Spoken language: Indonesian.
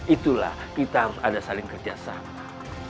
itulah kita harus ada saling kerja sama